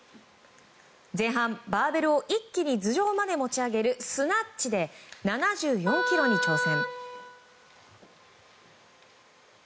前半、バーベルを一気に頭上まで持ち上げるスナッチで７４ｋｇに挑戦。